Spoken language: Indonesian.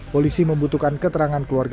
polisi membutuhkan keterangan keluarga